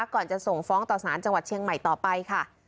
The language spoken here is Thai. ก่อนจะส่งฟ้องต่อสารจังหวัดเชียงใหม่ต่อไปค่ะ